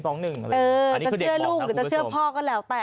อาจจะเชื่อลูกหรือจะเชื่อพ่อก็แล้วแต่